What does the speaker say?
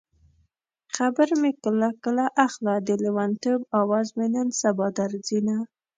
خبر مې کله کله اخله د لېونتوب اواز مې نن سبا درځينه